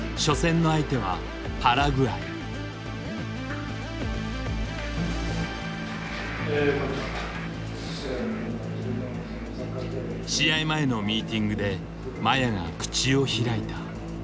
試合前のミーティングで麻也が口を開いた。